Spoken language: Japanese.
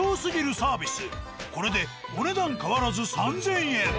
これでお値段変わらず３，０００円。